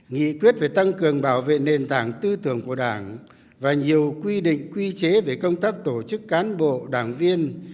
nghị quyết về tăng cường bảo vệ nền tảng tư tưởng của đảng và nhiều quy định quy chế về công tác tổ chức cán bộ đảng viên